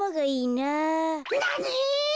なに！？